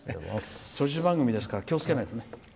長寿番組ですから気をつけないとね。